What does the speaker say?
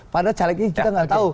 padahal calegnya kita nggak tahu